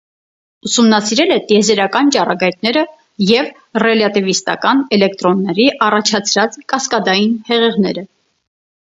Ուսումնասիրել է տիեզերական ճառագայթները և ռելյատիվիստական էլեկտրոնների առաջացրած կասկադային հեղեղները։